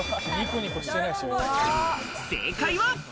正解は。